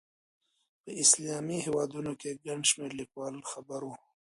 په اسلامي هېوادونو کې ګڼ شمېر لیکوال خبر وو.